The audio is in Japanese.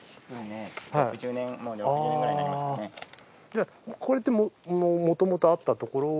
じゃあこれってもともとあったところを。